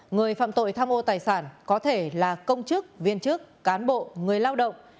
người phạm tội tham ô tài sản có thể là công chức viên chức cán bộ người lao động